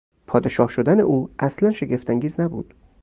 پادشاه شدن او اصلا شگفت انگیز نبود.